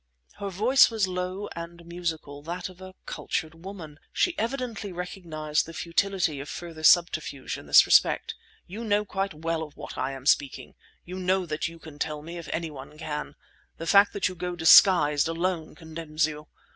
Her voice was low and musical; that of a cultured woman. She evidently recognized the futility of further subterfuge in this respect. "You know quite well of what I am speaking! You know that you can tell me if any one can! The fact that you go disguised alone condemns you!